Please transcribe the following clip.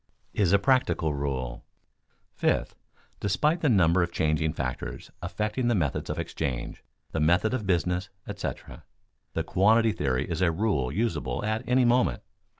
[Sidenote: Is a practical rule] Fifth, despite the number of changing factors affecting the methods of exchange, the method of business, etc., the quantity theory is a rule usable at any moment.